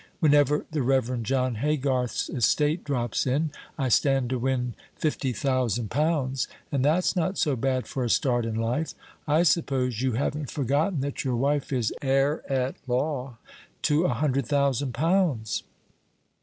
"Whenever the Reverend John Haygarth's estate drops in, I stand to win fifty thousand pounds. And that's not so bad for a start in life. I suppose you haven't forgotten that your wife is heir at law to a hundred thousand pounds?"